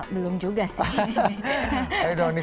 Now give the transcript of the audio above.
belum juga sih